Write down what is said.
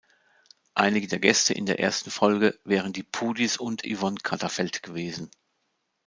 Einige der Gäste in der ersten Folge wären die Puhdys und Yvonne Catterfeld gewesen.